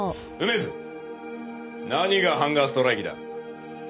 梅津何がハンガーストライキだ。